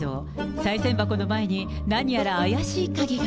さい銭箱の前に、何やら怪しい影が。